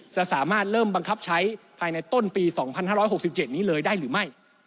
สามารถเริ่มบังคับใช้ภายในต้นปี๒๕๖๗นี้เลยได้หรือไม่